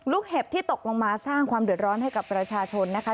เห็บที่ตกลงมาสร้างความเดือดร้อนให้กับประชาชนนะคะ